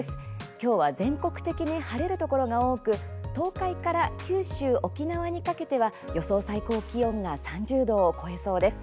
今日は、全国的に晴れるところが多く東海から、九州、沖縄にかけては予想最高気温が３０度を超えそうです。